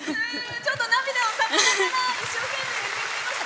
ちょっと涙をためながら一生懸命、言ってくれました。